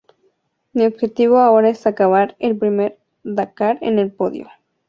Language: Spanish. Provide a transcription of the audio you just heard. Mi objetivo ahora es acabar el primer Dakar en el podio.